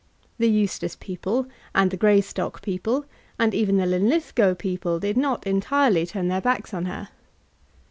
The Eustace people, and the Greystock people, and even the Linlithgow people, did not entirely turn their backs on her.